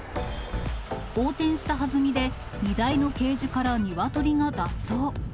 横転したはずみで、荷台のケージからニワトリが脱走。